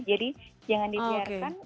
jadi jangan dibiarkan